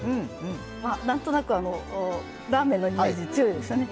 何となく、ラーメンのイメージが強いですよね。